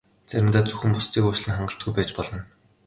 Заримдаа зөвхөн бусдыг уучлах нь хангалтгүй байж болно.